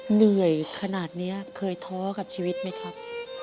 เหนื่อยขนาดนี้เคยท้อกับชีวิตไหมครับ